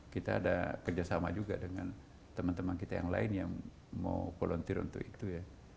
kita ada kerjasama juga dengan teman teman kita yang lain yang mau volunteer untuk itu ya